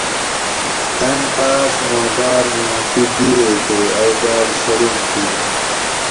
اۤن آۤس ما باۤر معافی دئیئے تے ائی باۤر شرم جِین